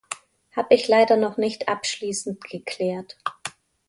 Hab ich leider noch nicht abschließend geklärt.